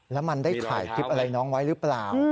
แล้วมันได้ถ่ายคลิปอะไรน้องไว้หรือเปล่า